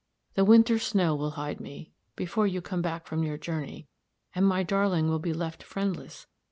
The winter snow will hide me before you come back from your journey; and my darling will be left friendless.